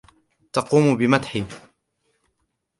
تقوم بمدحي.